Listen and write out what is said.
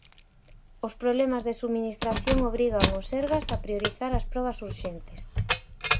Os problemas de subministración obrigan o Sergas a priorizar as probas urxentes.